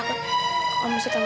ini lebih baik kamu pulang sekarang